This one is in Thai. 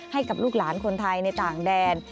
ให้กับลูกหลานคนไทยในต่างแดน